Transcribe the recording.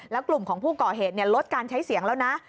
แล้วกลุ่มของผู้ก่อเหตุลดการใช้เสียงแล้วนะ